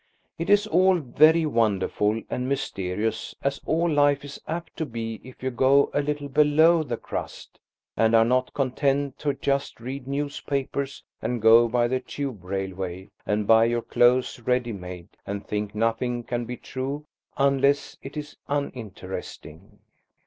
It is all very wonderful and mysterious, as all life is apt to be if you go a little below the crust, and are not content just to read newspapers and go by the Tube Railway, and buy your clothes ready made, and think nothing can be true unless it is uninteresting.